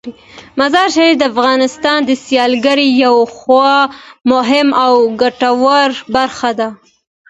مزارشریف د افغانستان د سیلګرۍ یوه خورا مهمه او ګټوره برخه ده.